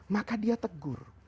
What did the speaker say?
maka dia tegur